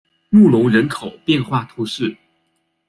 穆龙人口变化图示